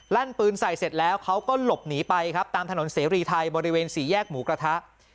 ั่นปืนใส่เสร็จแล้วเขาก็หลบหนีไปครับตามถนนเสรีไทยบริเวณสี่แยกหมูกระทะ